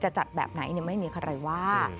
จะจัดแบบไหนเนี่ยไม่มีอะไรว่า